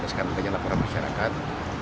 dan sekarang banyak laporan masyarakat